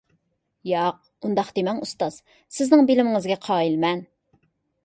ياق، ئۇنداق دېمەڭ ئۇستاز، سىزنىڭ بىلىمىڭىزگە قايىل مەن!